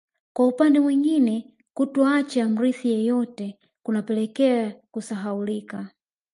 Kwa upande mwingine kutokuacha mrithi yeyote kunapelekea kusahaulika